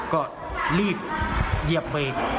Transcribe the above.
ก็รีบเยียบเบรค